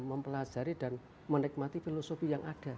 mempelajari dan menikmati filosofi yang ada